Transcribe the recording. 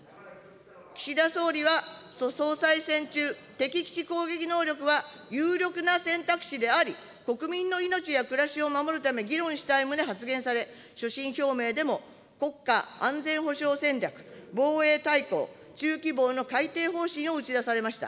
岸田総理は総裁選中、敵基地攻撃能力は有力な選択肢であり、国民の命や暮らしを守るため議論したい旨発言され、所信表明でも、国家安全保障戦略、防衛大綱、中期防の改定方針を打ち出されました。